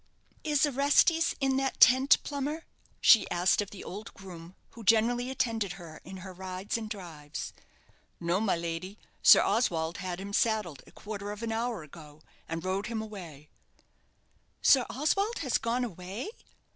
"Is 'Orestes' in that tent, Plummer?" she asked of the old groom who generally attended her in her rides and drives. "No, my lady, Sir Oswald had him saddled a quarter of an hour ago, and rode him away." "Sir Oswald has gone away!"